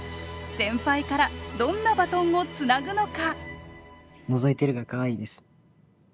先輩からどんなバトンをつなぐのか？